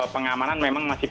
pengamanan memang masih tinggi